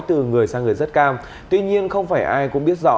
từ người sang người rất cam tuy nhiên không phải ai cũng biết rõ